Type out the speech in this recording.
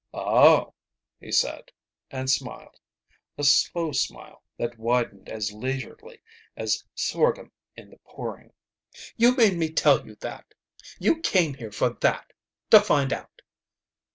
"Oh," he said, and smiled, a slow smile that widened as leisurely as sorghum in the pouring. "You made me tell you that! You came here for that. To find out!"